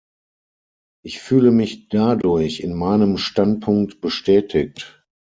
Ich fühle mich dadurch in meinem Standpunkt bestätigt.